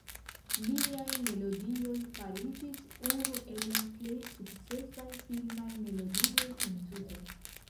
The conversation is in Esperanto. Liaj melodioj fariĝis unu el la plej sukcesaj filmaj melodioj entute.